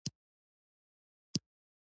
ماشومانو په میدان کې لوبه کوله.